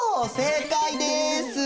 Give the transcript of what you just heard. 正解です！